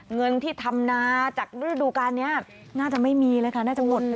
เงินที่ทำนาจากฤดูการนี้น่าจะไม่มีเลยค่ะน่าจะหมด